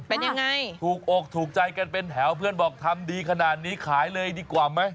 เป็นยังไงถูกอกถูกใจกันเป็นแถวเพื่อนบอกทำดีขนาดนี้ขายเลยดีกว่าไหม